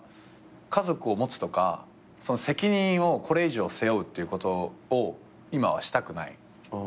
家族を持つとか責任をこれ以上背負うっていうことを今はしたくない。